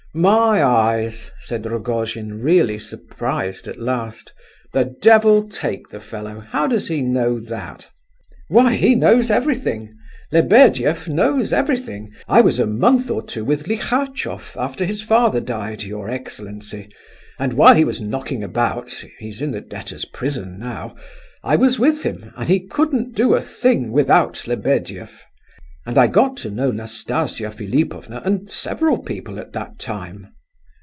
"My eyes!" said Rogojin, really surprised at last. "The devil take the fellow, how does he know that?" "Why, he knows everything—Lebedeff knows everything! I was a month or two with Lihachof after his father died, your excellency, and while he was knocking about—he's in the debtor's prison now—I was with him, and he couldn't do a thing without Lebedeff; and I got to know Nastasia Philipovna and several people at that time."